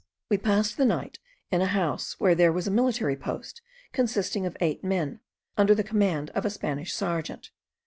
We passed the night in a house where there was a military post consisting of eight men, under the command of a Spanish serjeant.